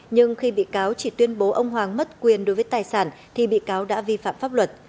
nhưng khi bị cáo chỉ tuyên bố ông hoàng mất quyền đối với tài sản thì bị cáo đã vi phạm pháp luật